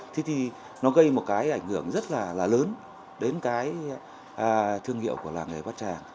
thế thì nó gây một cái ảnh hưởng rất là lớn đến cái thương hiệu của làng nghề bát tràng